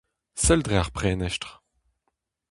Sell dre ar prenestr !